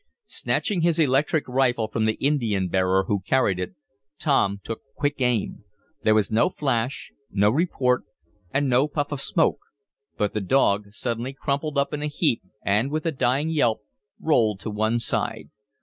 Snatching his electric rifle from the Indian bearer who carried it, Tom took quick aim. There was no flash, no report and no puff of smoke, but the dog suddenly crumpled up in a heap, and, with a dying yelp, rolled to one side.